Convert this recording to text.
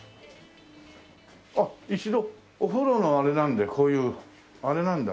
あっ一度お風呂のあれなんでこういうあれなんだ。